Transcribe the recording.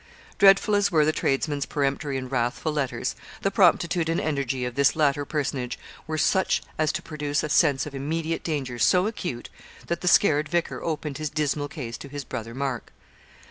Dreadful as were the tradesmen's peremptory and wrathful letters, the promptitude and energy of this latter personage were such as to produce a sense of immediate danger so acute that the scared vicar opened his dismal case to his Brother Mark.